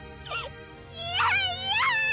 いやいや！